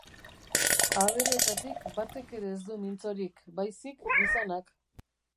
Abereetatik batek ere ez du mintzorik baizik gizonak.